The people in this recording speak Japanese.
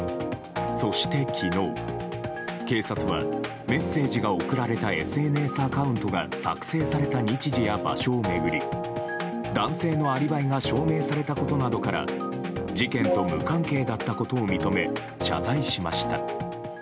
そして昨日、警察はメッセージが送られたＳＮＳアカウントが作成された日時や場所を巡り男性のアリバイが証明されたことなどから事件と無関係だったことを認め謝罪しました。